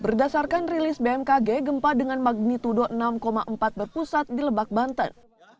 berdasarkan rilis bmkg gempa dengan magnitudo enam empat berpusat di lebak banten